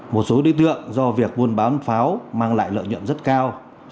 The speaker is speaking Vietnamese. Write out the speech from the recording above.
một số đối tượng do việc buôn bán pháo mang lại lợi nhuận rất cao